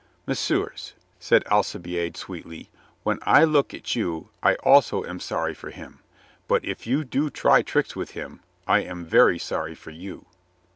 "Messieurs," said Alcibiade sweetly, "when I look at you I also am sorry for him. But if you do try tricks with him I am very sorry for you."